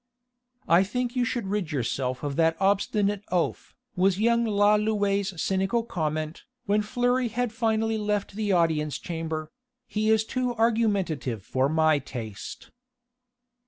"I think you should rid yourself of that obstinate oaf," was young Lalouët's cynical comment, when Fleury had finally left the audience chamber; "he is too argumentative for my taste."